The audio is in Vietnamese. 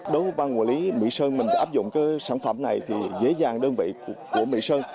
đối với bang quản lý mỹ sơn mình đã áp dụng sản phẩm này thì dễ dàng đơn vị của mỹ sơn